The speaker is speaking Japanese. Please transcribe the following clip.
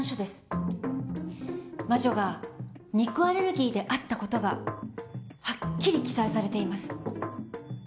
魔女が肉アレルギーであった事がはっきり記載されています。